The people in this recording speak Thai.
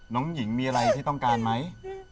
น้องหญิงมีอะไรที่ต้องการไหม